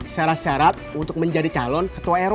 syarat syarat untuk menjadi calon ketua rw